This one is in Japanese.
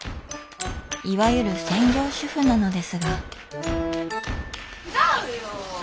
いわゆる専業主夫なのですが。